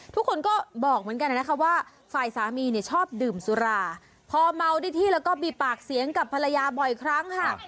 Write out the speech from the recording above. ทุกคนก็บอกเหมือนกันนะคะว่าฝ่ายสามีเนี่ยชอบดื่มสุราพอเมาได้ที่แล้วก็มีปากเสียงกับภรรยาบ่อยครั้งค่ะ